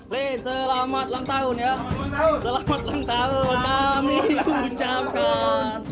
wih selamat ulang tahun ya selamat ulang tahun kami mengucapkan